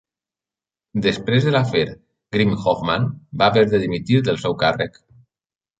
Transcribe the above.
Després de l'afer Grimm-Hoffmann, va haver de dimitir del seu càrrec.